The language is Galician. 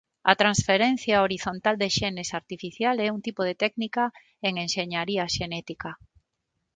A transferencia horizontal de xenes artificial é un tipo de técnica en enxeñaría xenética.